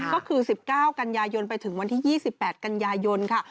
ก็คือ๑๙กันยายนไปถึงวันที่๒๘กันยายนค่ะ